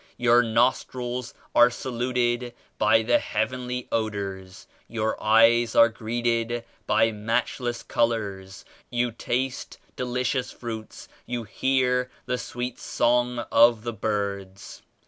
Your nostrils are saluted by the heavenly odors, your eyes are greeted by matchless colors, you taste delicious fruits, you hear the sweet song of the birds.